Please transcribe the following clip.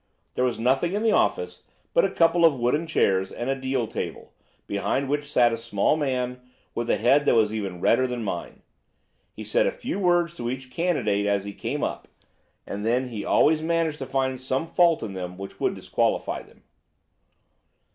"There was nothing in the office but a couple of wooden chairs and a deal table, behind which sat a small man with a head that was even redder than mine. He said a few words to each candidate as he came up, and then he always managed to find some fault in them which would disqualify them.